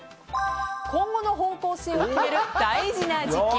今後の方向性を決める大事な時期。